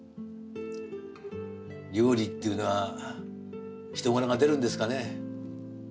料理っていうのは人柄が出るんですかね。